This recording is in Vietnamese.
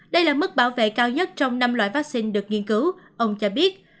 đây là mức bảo vệ cao nhất trong năm loại vaccine được nghiên cứu ông cho biết